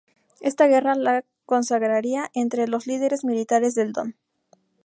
Esta guerra le consagraría entre los líderes militares del Don.